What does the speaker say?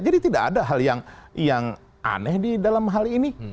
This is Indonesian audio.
jadi tidak ada hal yang aneh di dalam hal ini